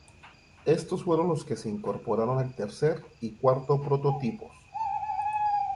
Estos fueron los que se incorporaron al tercer y cuarto prototipos.